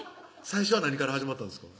最初は何から始まったんですか？